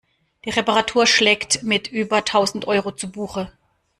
Die Reparatur schlägt mit über tausend Euro zu Buche.